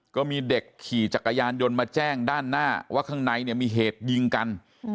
ก็มีเด็กขี่จักรยานยนต์มาแจ้งด้านหน้าว่าข้างในเนี่ยมีเหตุยิงกัน